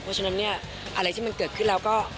เพราะฉะนั้นเนี่ยอะไรที่มันเกิดขึ้นแล้วก็